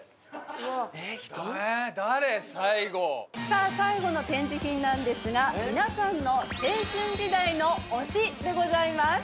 さあ最後の展示品なんですが皆さんの青春時代の推しでございます。